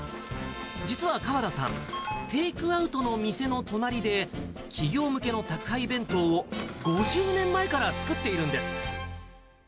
実は川田さん、テイクアウトの店の隣で、企業向けの宅配弁当を５０年前から作っているんです。